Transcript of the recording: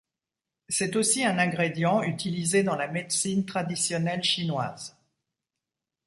C'est aussi un ingrédient utilisé dans la médecine traditionnelle chinoise.